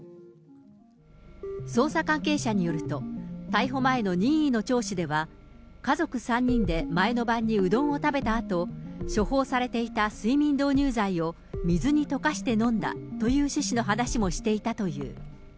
捜査関係者によると、逮捕前の任意の聴取では、家族３人で前の晩にうどんを食べたあと、処方されていた睡眠導入剤を水に溶かして飲んだという趣旨の話もしていたという。